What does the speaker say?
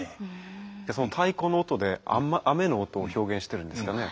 その太鼓の音で雨の音を表現しているんですかね。